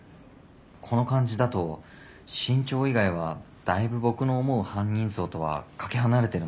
この感じだと身長以外はだいぶ僕の思う犯人像とはかけ離れてるんだけど。